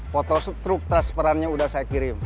foto struk transferannya sudah saya kirim